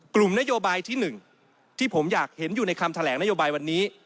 กลุ่มนโยบายที่๑ที่ผมอยากเห็นอยู่ในคำแถลงนโยบายวันนี้